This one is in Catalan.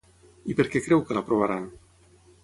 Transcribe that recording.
I per què creu que l'aprovaran?